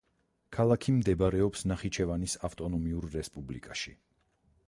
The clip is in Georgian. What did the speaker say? ქალაქი მდებარეობს ნახიჩევანის ავტონომიურ რესპუბლიკაში.